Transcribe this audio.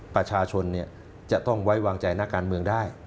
ประชาชนจะต้องไว้วางใจนักการเมืองได้